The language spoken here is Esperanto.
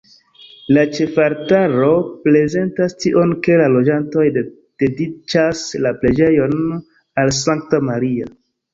La ĉefaltaro prezentas tion, ke la loĝantoj dediĉas la preĝejon al Sankta Maria.